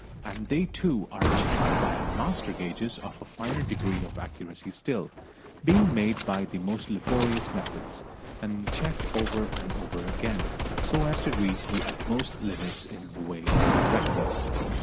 And they too are checked by master gauges of a finer degree of accuracy still, being made by the most laborious methods, and checked over and over again, so as to reach the utmost limits in the way of correctness.